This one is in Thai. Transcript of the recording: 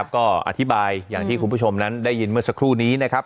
ก็อธิบายอย่างที่เราได้ได้งานมาสักครู่คราวนี้นะครับ